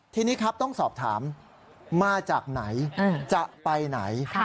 ทีนี้ครับต้องสอบถามมาจากไหนจะไปไหน